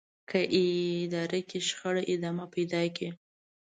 که اداره کې شخړې ادامه پيدا کړي.